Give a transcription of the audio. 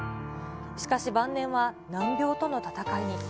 しかし、晩年は難病との闘いに。